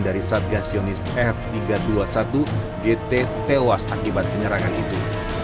dari satgas yonif r tiga ratus dua puluh satu gt tewas akibat penyerangan itu